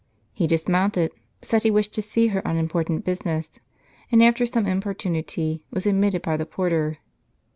He dismounted ; said he wished to see her on important busi ness, and, after some importunity, was admitted by the porter.